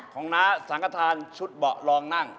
ของน้าสังฆาธารชุดเบาะรองนั่ง